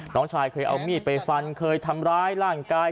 น้องชายเคยเอามีดไปฟันเคยทำร้ายร่างกาย